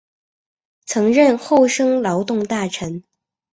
曾任厚生劳动大臣。